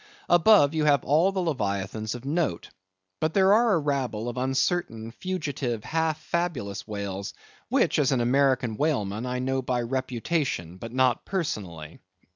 Above, you have all the Leviathans of note. But there are a rabble of uncertain, fugitive, half fabulous whales, which, as an American whaleman, I know by reputation, but not personally.